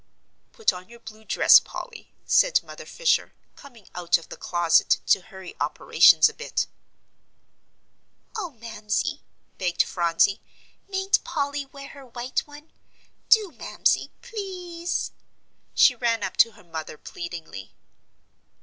"Put on your blue dress, Polly," said Mother Fisher, coming out of the closet to hurry operations a bit. "Oh, Mamsie," begged Phronsie, "mayn't Polly wear her white one? Do, Mamsie, please!" She ran up to her mother pleadingly.